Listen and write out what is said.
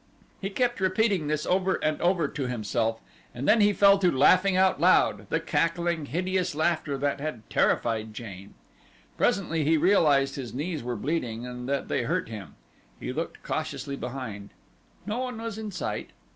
He kept repeating this over and over to himself and then he fell to laughing out loud, the cackling, hideous laughter that had terrified Jane. Presently he realized his knees were bleeding and that they hurt him. He looked cautiously behind. No one was in sight.